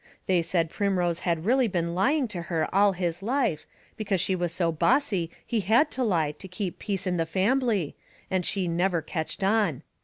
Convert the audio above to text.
They said Primrose had really been lying to her all his life, because she was so bossy he had to lie to keep peace in the fambly, and she never ketched on.